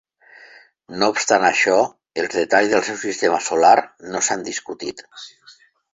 No obstant això, els detalls del seu sistema solar no s'han discutit.